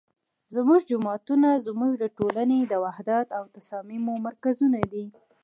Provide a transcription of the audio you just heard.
زمونږ جوماتونه زمونږ د ټولنې د وحدت او تصاميمو مرکزونه دي